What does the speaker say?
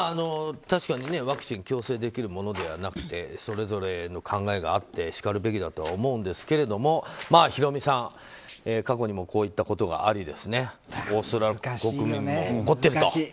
確かにワクチン強制できるものではなくてそれぞれの考えがあってしかるべきだと思うんですがヒロミさん、過去にもこういったことがありオーストラリア国民も怒っていると。